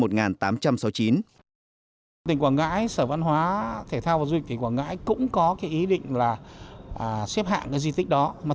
tỉnh quảng ngãi sở văn hóa thể thao và duyên kỳ quảng ngãi cũng có ý định là xếp hạng di tích đó